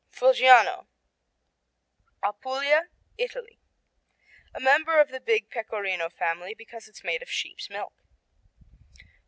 Foggiano Apulia, Italy A member of the big Pecorino family because it's made of sheep's milk.